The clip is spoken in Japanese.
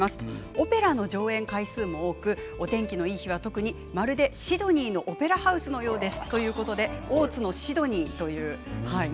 オペラの上演回数も多く天気のいい日は特にまるでシドニーのオペラハウスのようです。